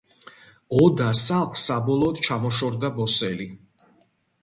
ოდა სახლს საბოლოოდ ჩამოშორდა ბოსელი.